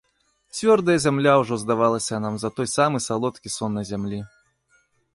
Цвёрдая зямля ўжо здавалася нам за той самы салодкі сон на зямлі.